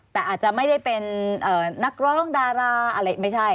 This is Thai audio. แต่อาจจะไม่ได้เป็นนักร้องดาราอะไรไม่ใช่